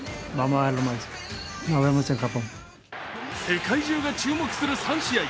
世界中が注目する３試合。